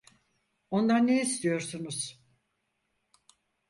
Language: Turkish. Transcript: Ondan ne istiyorsunuz?